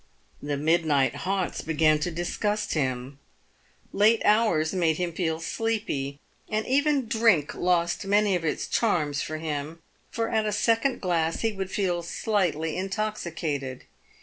The midnight haunts began to disgust him, late hours made him feel sleepy, and even drink lost many of its charms for him — for at a second glass he would feel slightly intoxicated.